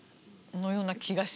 のような気がします。